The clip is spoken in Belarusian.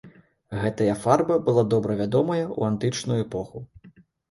Гэтая фарба была добра вядомая ў антычную эпоху.